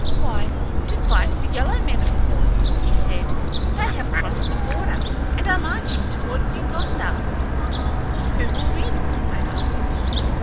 "Why, to fight the yellow men, of course," he said. "They have crossed the border, and are marching toward New Gondar." "Who will win?" I asked.